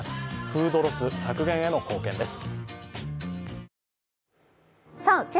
フードロス削減への貢献です。